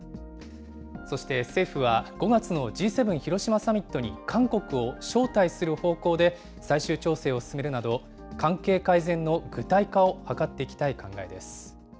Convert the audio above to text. そして政府は、５月のＧ７広島サミットに韓国を招待する方向で、最終調整を進めるなど、関係改善の具体化を図っていきたい考えです。